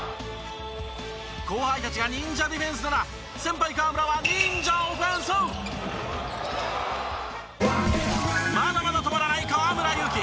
後輩たちが忍者ディフェンスなら先輩河村はまだまだ止まらない河村勇輝！